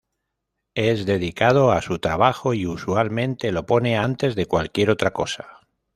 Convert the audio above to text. Es dedicado a su trabajo y usualmente lo pone antes de cualquier otra cosa.